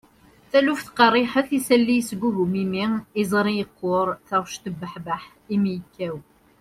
taluft qerriḥet, isalli yesgugum imi, iẓri yeqquṛ, taɣect tebbuḥbeḥ, imi yekkaw